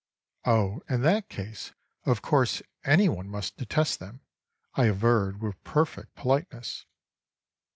"Oh, in that case, of course anyone must detest them," I averred with perfect politeness.